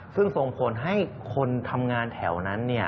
ซึ่งส่งผลให้คนทำงานแถวนั้น